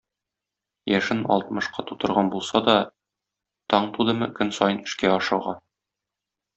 Яшен алтмышка тутырган булса да, таң тудымы, көн саен эшкә ашыга.